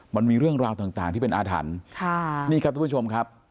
มันมีเรื่องราวต่างที่เป็นอาถรรพ์ค่ะนี่ครับทุกผู้ชมครับ